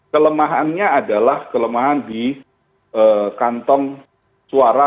kelemahannya adalah kelemahan di kantong suara